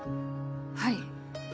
はい。